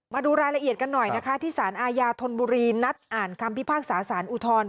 มาดูรายละเอียดกันหน่อยนะคะที่สารอาญาธนบุรีนัดอ่านคำพิพากษาสารอุทธรณ์